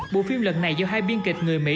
bộ phim lần này giữa hai biên kịch người mỹ